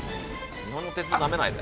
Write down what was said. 日本の鉄道ナメないで。